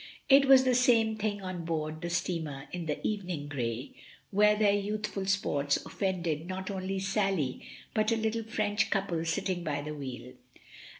It was the same thing on board the steamer in the evening grey, where their youthful sports offended not only Susy but a little French couple sitting by the wheel.